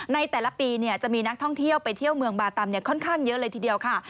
ในแต่ละปีจะมีนักท่องเที่ยวไปเที่ยวเมืองบาตำค่อนข้างเยอะเลยทีเดียวค่ะ